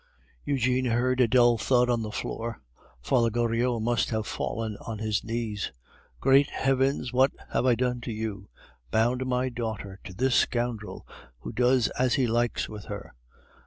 Eugene heard a dull thud on the floor; Father Goriot must have fallen on his knees. "Great heavens! what have I done to you? Bound my daughter to this scoundrel who does as he likes with her!